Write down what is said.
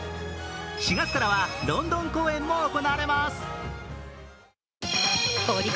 ４月からはロンドン公演も行われます。